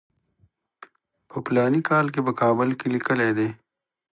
په فلاني کال کې په کابل کې لیکلی دی.